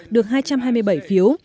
được hai trăm hai mươi bảy phiếu